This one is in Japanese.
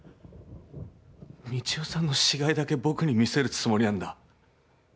三千代さんの死骸だけ僕に見せるつもりなんだ。